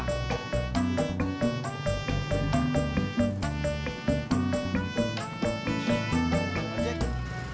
mas jek bawa bebek sembilan